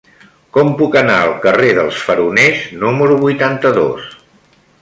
Com puc anar al carrer dels Faroners número vuitanta-dos?